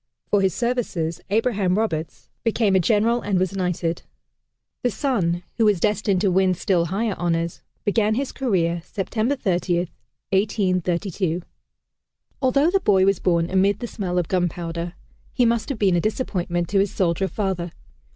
For his services, Abraham Roberts became a general and was knighted. The son, who was destined to win still higher honors, began his career, September 30, 1832. Although the boy was born amid the smell of gunpowder, he must have been a disappointment to his soldier father.